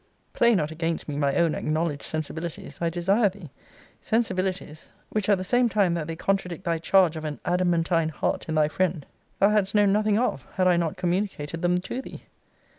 Play not against me my own acknowledged sensibilities, I desire thee. Sensibilities, which at the same time that they contradict thy charge of an adamantine heart in thy friend, thou hadst known nothing of, had I not communicated them to thee.